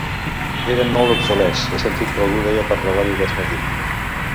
Eren molt obsolets, he sentit que algú deia per la ràdio aquest matí.